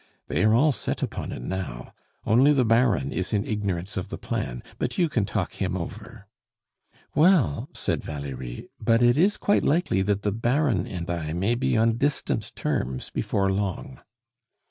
They are all set upon it now. Only the Baron is in ignorance of the plan, but you can talk him over." "Well," said Valerie, "but it is quite likely that the Baron and I may be on distant terms before long."